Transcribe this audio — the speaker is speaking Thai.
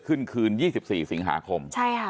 คืน๒๔สิงหาคม